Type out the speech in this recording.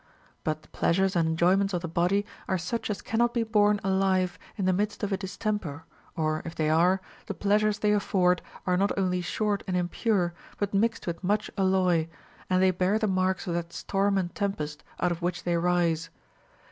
But the pleasures and enjoyments of the body are such as cannot be born alive in the midst of a distempei . or if they are, the pleasures they afford are not only short and impure, but mixed with much alloy, and they bear the marks of that storm and tempest out of which they rise.